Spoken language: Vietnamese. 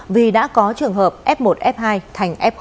vì đã có trường hợp f một f hai thành f hai